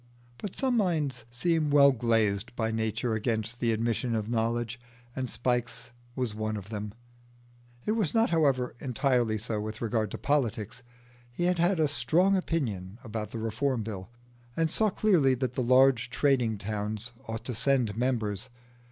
But some minds seem well glazed by nature against the admission of knowledge, and Spike's was one of them. It was not, however, entirely so with regard to politics. He had had a strong opinion about the Reform Bill, and saw clearly that the large trading towns ought to send members.